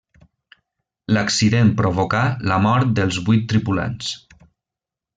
L'accident provocà la mort dels vuit tripulants.